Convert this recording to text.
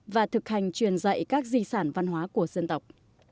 và thực hành truyền dạy các di sản văn hóa của dân tộc